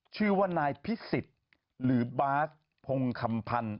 ชื่อว่านายพิสิทธิ์หรือบาสพงคำพันธ์